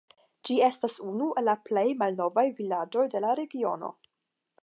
Ĝi estas unu el la plej malnovaj vilaĝoj de la regiono.